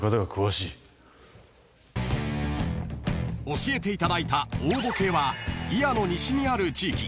［教えていただいた大歩危は祖谷の西にある地域］